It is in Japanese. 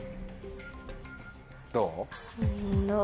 どう？